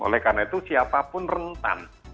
oleh karena itu siapapun rentan